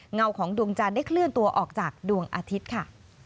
เงาของดวงจันทร์ได้เคลื่อนตัวออกจากดวงอาทิตย์ค่ะ